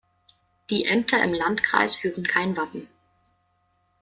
Die Ämter im Landkreis führen kein Wappen.